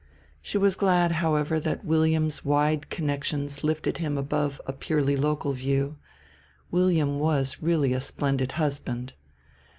She was glad, however, that William's wide connections lifted him above a purely local view; William was really a splendid husband.